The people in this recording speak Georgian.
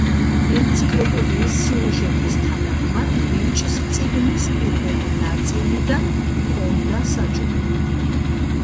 ენციკლოპედიის სიუჟეტის თანახმად, ბიჭს წიგნის პირველი ნაწილიდან ჰქონდა საჩუქრად.